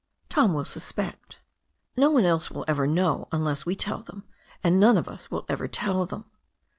Tom will suspect. No one else will ever know unless we tell them, and none of us will ever tell them.